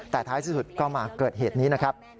แต่ท้ายที่สุดก็มาเกิดเหตุนี้นะครับ